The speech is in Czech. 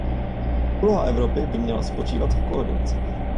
Úloha Evropy by měla spočívat v koordinaci.